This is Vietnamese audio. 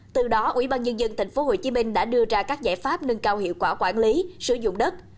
từ đó ubnd tp hcm đã đưa ra các giải pháp nâng cao hiệu quả quản lý sử dụng đất